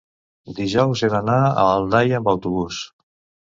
Dijous he d'anar a Aldaia amb autobús.